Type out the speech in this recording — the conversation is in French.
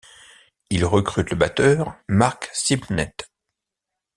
Ils recrutent le batteur Mark Simnett.